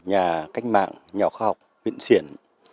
nhà cách mạng nhà khoa học nguyễn xiển